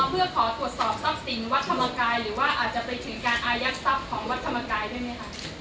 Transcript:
หรือว่าอาจจะไปถึงการอายักษ์ทรัพย์ของวัฒนธรรมกายด้วยมั้ยคะ